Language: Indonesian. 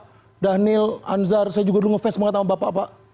tapi tidak bisa juga ada pak daniel anzar saya juga dulu ngefans banget sama bapak bapak